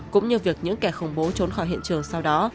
cũng như việc những kẻ khủng bố trốn khỏi hiện trường sau đó